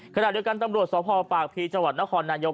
ขณะเดียวกันตำรวจสภปากพีจังหวัดนครนายก